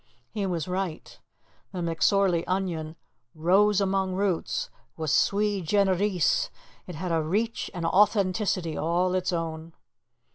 He was right. The McSorley onion "rose among roots" was sui generis. It had a reach and authenticity all its own.